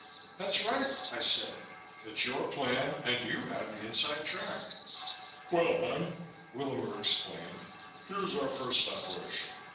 "That's right," I said. "It's your plan and you have the inside track." "Well, then," Willamer explained, "here's our first operation.